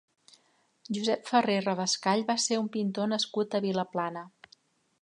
Josep Ferré Revascall va ser un pintor nascut a Vilaplana.